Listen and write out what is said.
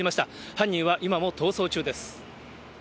犯人は今も逃走中です。